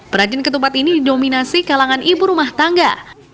perajin ketupat ini didominasi kalangan ibu rumah tangga